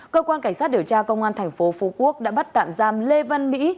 cơ quan cảnh sát điều tra công an thành phố phú quốc đã bắt tạm giam lê văn mỹ